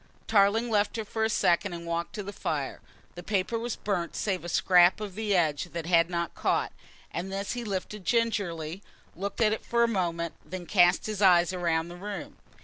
Tarling left her for a second and walked to the fire. The paper was burnt save a scrap of the edge that had not caught, and this he lifted gingerly, looked at it for a moment, then cast his eyes round the room.